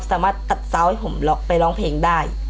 สามารถตัดซาวให้ผมไปร้องเพลงได้